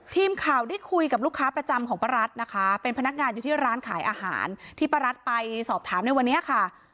ทีมข่าวได้คุยกับลูกค้าประจำของป้ารัฐนะคะเป็นพนักงานอยู่ที่ร้านขายอาหารที่ป้ารัฐไปสอบถามในวันนี้ค่ะ